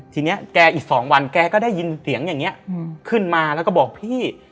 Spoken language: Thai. ทีนี้แกอีก๒วันแกก็ได้ยินเสียงอย่างนี้ขึ้นมาแล้วก็บอกพี่